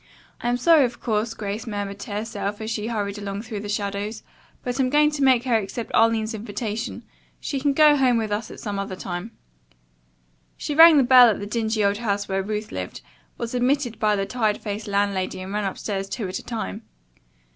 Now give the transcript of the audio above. "I'm sorry, of course," Grace murmured to herself as she hurried along through the shadows, "but I'm going to make her accept Arline's invitation. She can go home with us at some other time." She rang the bell at the dingy old house where Ruth lived, was admitted by the tired faced landlady and ran upstairs two at a time.